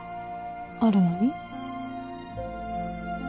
あるのに？